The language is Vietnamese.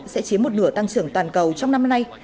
sẽ chiếm một nửa tăng trưởng toàn cầu trong năm nay